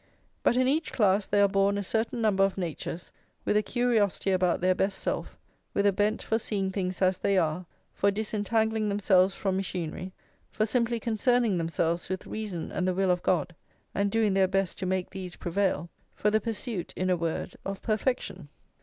But in each class there are born a certain number of natures with a curiosity about their best self, with a bent for seeing things as they are, for disentangling themselves from machinery, for simply concerning themselves with reason and the will of God, and doing their best to make these prevail; for the pursuit, in a word, of perfection.